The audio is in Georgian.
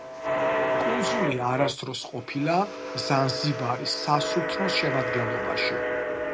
კუნძული არასდროს ყოფილა ზანზიბარის სასულთნოს შემადგენლობაში.